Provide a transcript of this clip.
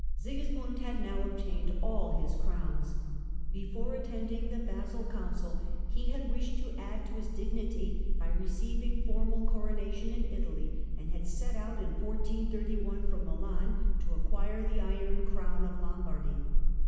Sigismund' had now obtained all his crowns. Before attending the Basle Council he had wished to add to his Sigismund dignity by receiving formal coronation in Italy, and had 1431^ ^' set out in 1431 for Milan to acquire the iron crown of Lombardy.